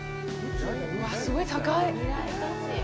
うわっ、すごい高い！